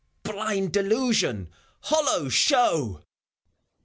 Blind delusion! Hollow show!